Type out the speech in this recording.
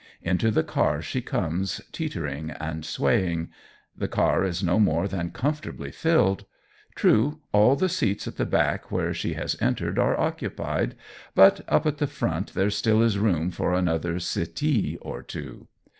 Into the car she comes, teetering and swaying. The car is no more than comfortably filled. True, all the seats at the back where she has entered are occupied; but up at the front there still is room for another sittee or two.